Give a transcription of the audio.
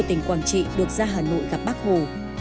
tỉnh quảng trị được ra hà nội gặp bác hồ